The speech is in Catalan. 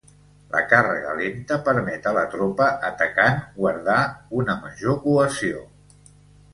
La càrrega lenta permet a la tropa atacant guardar una major cohesió.